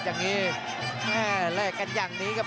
แม่แหละกันอย่างนี้ครับ